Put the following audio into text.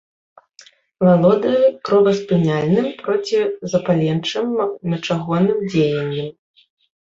Валодае кроваспыняльным, процізапаленчым, мачагонным дзеяннем.